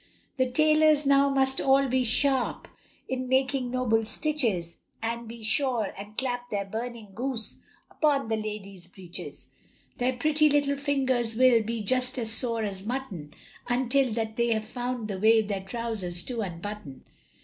The tailors now must all be sharp In making noble stitches, And be sure and clap their burning goose Upon the ladies' breeches; Their pretty little fingers will Be just as sore as mutton, Until that they have found the way Their trousers to unbutton.